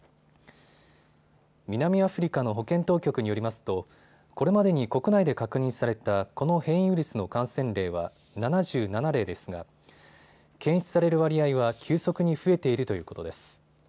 南アフリカの保健当局によりますとこれまでに国内で確認されたこの変異ウイルスの感染例は７７例ですが検出される割合は急速に増えているということです。